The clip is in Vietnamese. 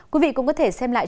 quý vị cũng có thể xem lại